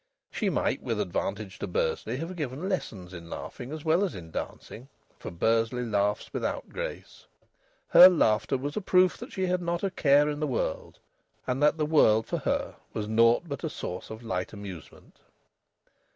She might, with advantage to Bursley, have given lessons in laughing as well as in dancing, for Bursley laughs without grace. Her laughter was a proof that she had not a care in the world, and that the world for her was naught but a source of light amusement.